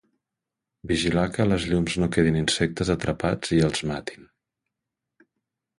Vigilar que a les llums no quedin insectes atrapats i els matin